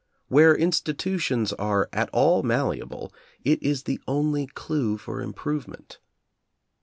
Where institutions are at all malleable, it is the only clew for improvement.